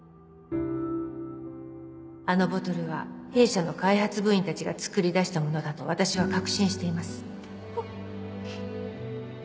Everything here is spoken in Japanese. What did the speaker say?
あのボトルは弊社の開発部員たちが作り出したものだと私は確信していますおっ！